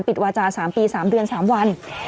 วาจา๓ปี๓เดือน๓วัน